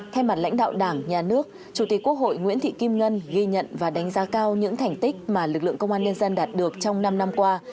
thay mặt lãnh đạo đảng nhà nước chủ tịch quốc hội nguyễn thị kim ngân ghi nhận và đánh giá cao những thành tích mà lực lượng công an nhân dân đạt được trong năm năm qua